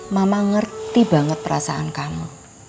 mama ngerti banget perasaan kamu